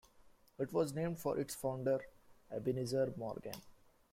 It was named for its founder, Ebenezer Morgan.